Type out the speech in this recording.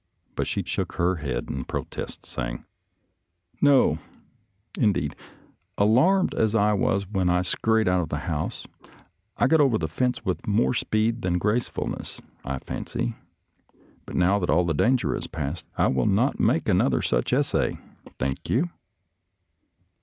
But she shook her head in protest, saying, " No, indeed. Alarmed as I was when I scurried out of the house, I got over the fence with more speed than gracefulness, I fancy. But now that all danger has passed, I will not make another such essay, thank you."